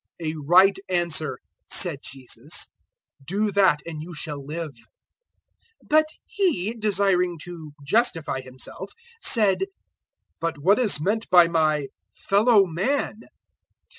'" 010:028 "A right answer," said Jesus; "do that, and you shall live." 010:029 But he, desiring to justify himself, said, "But what is meant by my `fellow man'?"